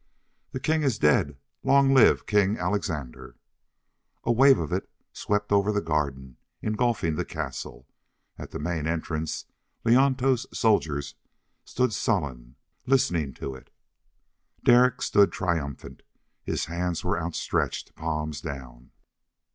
"The king is dead. Long live King Alexandre!" A wave of it swept over the garden, engulfing the castle. At the main entrance Leonto's soldiers stood sullen, listening to it. Derek stood triumphant. His hands were outstretched, palms down.